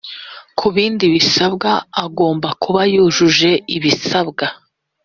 kubindi bisabwa agomba kubayujuje ibisabwa